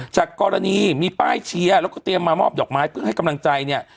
จากกรณีมีป้ายเชียร์แล้วก็เตรียมมามอบดอกไม้เพื่อให้กำลังใจเนี่ย